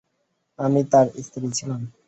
আমি তার স্ত্রী ছিলাম।